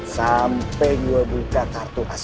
sampai gue buka kartu khasnya